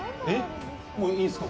もういいんですか？